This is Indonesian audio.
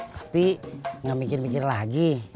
tapi nggak mikir mikir lagi